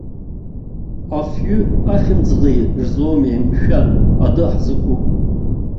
Афҩи ахьымӡӷи рзоуми, мшәан, адәы ҳзықәу?!